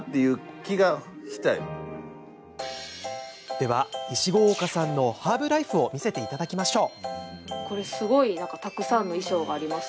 では、石郷岡さんのハーブライフを見せていただきましょう。